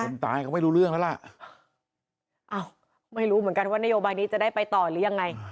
คนตายก็ไม่รู้เรื่องแล้วล่ะอ้าวไม่รู้เหมือนกันว่านโยบายนี้จะได้ไปต่อหรือยังไง